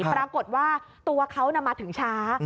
ปรากฏว่าตัวเขามาถึงช้า